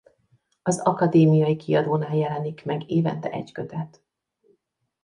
Az Akadémiai Kiadónál jelenik meg évente egy kötet.